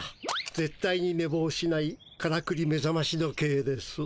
ぜっ対にねぼうしないからくりめざまし時計です。